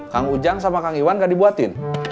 kang ujang sama kang iwan gak dibuatin